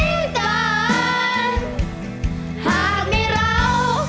รวมทางไม่มีไหวหวัง